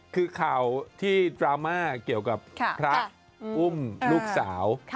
คือข่าวที่ดราม่าเกี่ยวกับพระอุ้มลูกสาว